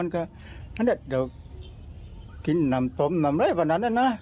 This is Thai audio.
คือกินนำตมนำไร้ประณานนะนะ